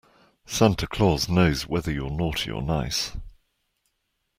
Santa Claus knows whether you're naughty or nice.